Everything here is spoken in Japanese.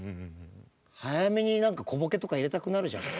早めに何か小ボケとか入れたくなるじゃない。